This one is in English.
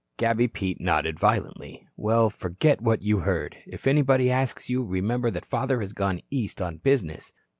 Gabby Pete nodded violently. "Well, forget what you heard. If anybody asks you, remember that father has gone East on business."